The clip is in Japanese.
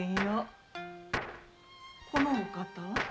このお方は？